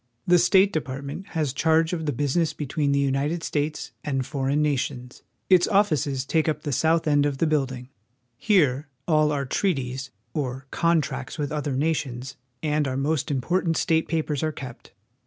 The State Department has charge of the business be tween the United States and foreign nations. Its offices take up the south end of the building. Here all our trea ties, or contracts with other nations, and our most important state pa pers are kept.